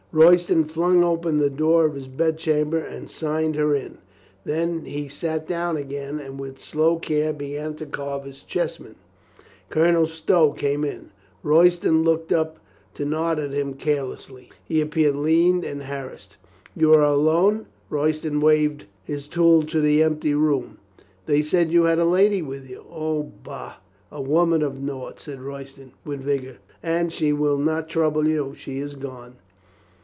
Royston flung open the door of his bed chamber and signed her in. Then he sat down again and with slow care began to carve his chessmen. Colonel Stow came in. Royston looked up to nod at him carelessly. He appeared lean and har rassed. "You are alone?" Royston waved his tool to the empty room. "They said you had a lady with you." "O, bah, a woman of naught," said Royston with vigor. "And she will not trouble you. She is gone."